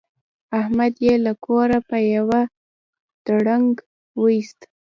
احمد يې له کوره په يوه دړدنګ ویوست.